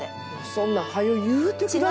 そんなん早よ言うてください。